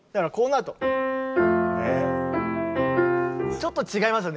ちょっと違いますよね